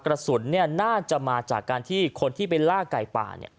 กระสุนน่าจะมาจากการที่คนที่ไปล่าไก่ป่าเนี่ย